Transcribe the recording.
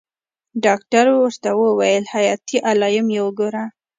ډاکتر ورته وويل حياتي علايم يې وګوره.